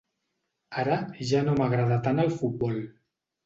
Ara ja no m'agrada tant el futbol.